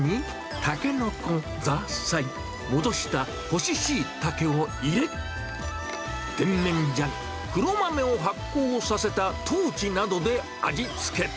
タケノコ、ザーサイ、戻した干しシイタケを入れ、テンメンジャン、黒豆を発酵させたトウチなどで味付け。